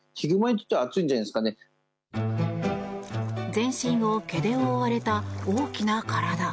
全身を毛で覆われた大きな体。